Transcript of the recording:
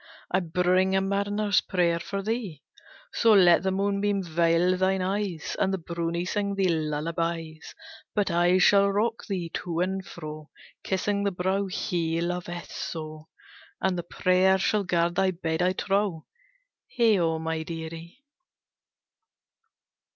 I bring a mariner's prayer for thee; So let the moonbeam veil thine eyes, And the brownie sing thee lullabies; But I shall rock thee to and fro, Kissing the brow he loveth so, And the prayer shall guard thy bed, I trow, Heigho, my dearie!"